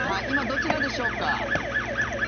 今、どちらでしょうか。